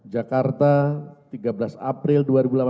jakarta tiga belas april